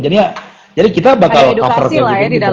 jadi ya kita bakal cover kayak gitu